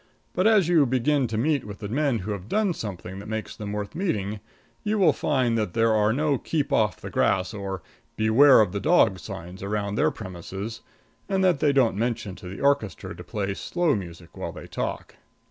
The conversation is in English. But as you begin to meet the men who have done something that makes them worth meeting you will find that there are no "keep off the grass" or "beware of the dog" signs around their premises, and that they don't motion to the orchestra to play slow music while they talk.